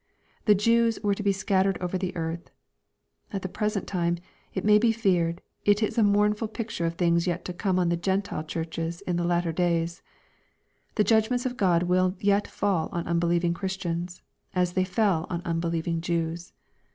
The Jews were to be scattered over the earth. — At the present time, it may be feared, it is a mournful picture of things yet to come on the Gentile churches in the latter days. The judgments of God will yet fall on unbelieving Christians, as they fell on unbelieving Jews.